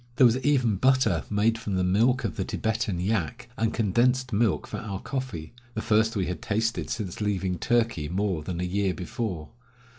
There was even butter, made from the milk of the Tibetan yak, and condensed milk for our coffee, the first we had tasted since leaving Turkey, more than a year before.